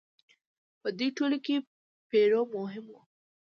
په دوی ټولو کې پیرو مهم و.